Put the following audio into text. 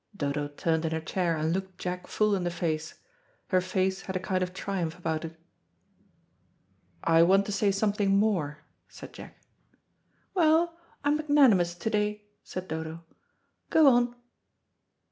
Dodo turned in her chair and looked Jack full in the face. Her face had a kind of triumph about it. "I want to say something more," said Jack. "Well, I'm magnanimous to day," said Dodo. "Go on."